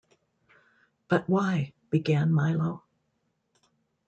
“But, why?” began Milo.